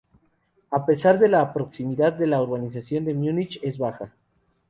A pesar de la proximidad de la urbanización de Múnich es baja.